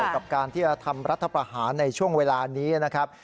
กับการที่จะทำรัฐประหารในช่วงเวลานี้นะครับ